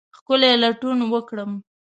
ښکلې لټون وکرم